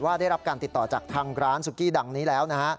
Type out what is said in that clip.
ได้รับการติดต่อจากทางร้านสุกี้ดังนี้แล้วนะฮะ